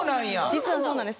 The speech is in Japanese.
実はそうなんです。